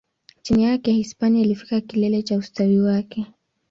Chini yake, Hispania ilifikia kilele cha ustawi wake.